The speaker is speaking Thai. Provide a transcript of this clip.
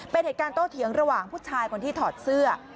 เป็นเหตุการณ์โตเถียงระหว่างผู้ชายคนที่ถอดเสื้อ